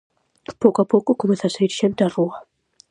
Pouco a pouco comeza a saír xente á rúa.